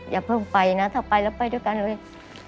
อย่าเพิ่งไปนะถ้าไปแล้วไปด้วยกันเลย